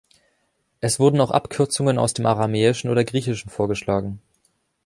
Es wurden auch Abkürzungen aus dem Aramäischen oder Griechischen vorgeschlagen.